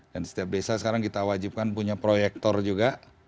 dan setiap desa sekarang kita wajibkan punya proyektor juga